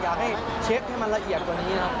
อยากให้เช็คให้มันละเอียดกว่านี้นะครับ